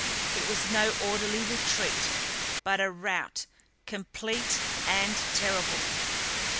It was no orderly retreat, but a rout, complete and terrible.